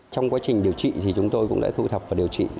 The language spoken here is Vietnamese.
trong quá trình điều trị thì chúng tôi cũng đã thu thập và điều trị